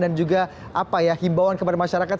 dan juga himbauan kepada masyarakat